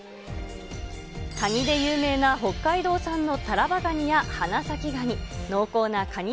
カニで有名な北海道産のタラバガニや花咲ガニ、濃厚なカニ